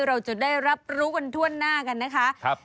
เดี๋ยวได้รับรู้วันถ้วนหน้ากันนะครับ